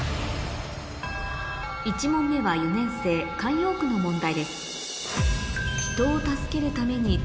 １問目は４年生慣用句の問題です